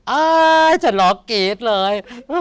อ้าวฉันหลอกกี๊ดเลย